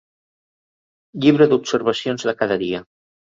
Llibre d'observacions de cada dia.